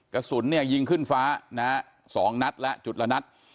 กระสุนเนี่ยยิงขึ้นฟ้านะฮะ๒นัดและจุดละนัด